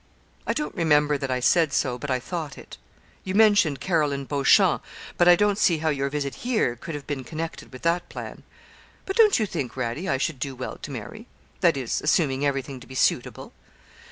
'I don't remember that I said so, but I thought it. You mentioned Caroline Beauchamp, but I don't see how your visit here could have been connected with that plan.' 'But don't you think, Radie, I should do well to marry, that is, assuming everything to be suitable?'